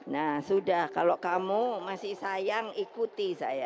nah sudah kalau kamu masih sayang ikuti saya